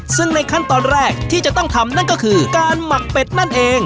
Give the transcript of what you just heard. ซึ่งในขั้นตอนแรกที่จะต้องทำนั่นก็คือการหมักเป็ดนั่นเอง